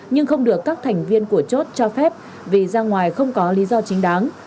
nhưng không được các thành viên của chốt cho phép vì ra ngoài không có lý do chính đáng